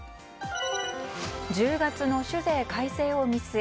１０月の酒税改正を見据え